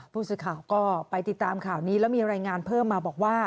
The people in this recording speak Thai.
ผู้สื่อข่าวก็ไปติดตามข่าวนี้แล้วมีรายงานเพิ่มมาบอกว่า